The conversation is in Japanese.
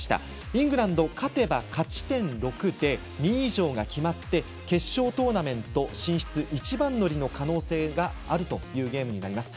イングランドは勝てば勝ち点６で２位以上が決まって決勝トーナメント進出一番乗りの可能性があるというゲームになります。